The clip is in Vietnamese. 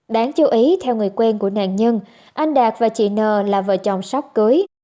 đáng chú ý theo người quen của nạn nhân anh đạt và chị nờ là vợ chồng sóc cưới